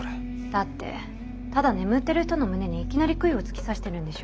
だってただ眠ってる人の胸にいきなり杭を突き刺してるんでしょ？